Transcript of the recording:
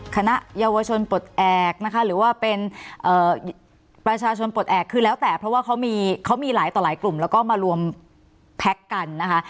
คณะเยาวชนปลดแอบนะคะหรือว่าเป็นประชาชนปลดแอบคือแล้วแต่เพราะว่าเขามีหลายต่อหลายกลุ่มแล้วก็มารวมแพ็คกันนะคะ